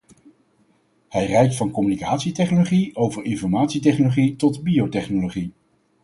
Hij reikt van communicatietechnologie over informatietechnologie tot biotechnologie.